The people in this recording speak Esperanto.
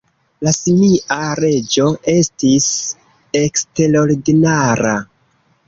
La simia reĝo estis eksterordinara.